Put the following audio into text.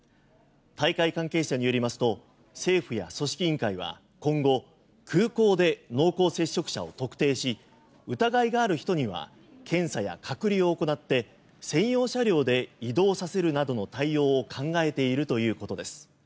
大会関係者によりますと政府や組織委員会は今後、空港で濃厚接触者を特定し疑いがある人には検査や隔離を行って専用車両で移動させるなどの対応を考えているということです。